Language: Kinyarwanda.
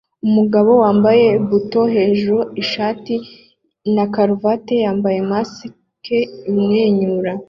Umugabo wambaye buto hejuru ishati na karuvati yambaye mask imwenyura